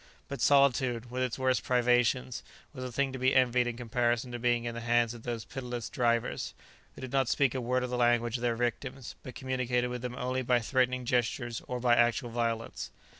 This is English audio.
But solitude, with its worst privations, was a thing to be envied in comparison to being in the hands of those pitiless drivers, who did not speak a word of the language of their victims, but communicated with them only by threatening gestures or by actual violence.